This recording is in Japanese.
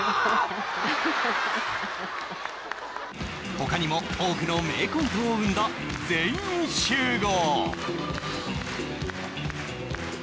他にも多くの名コントを生んだ「全員集合」